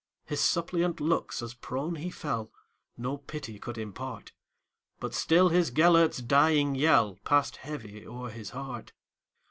His suppliant looks, as prone he fell, No pity could impart; But still his Gêlert's dying yellPassed heavy o'er his heart.